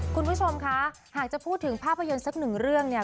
คุณผู้ชมคะหากจะพูดถึงภาพยนตร์สักหนึ่งเรื่องเนี่ย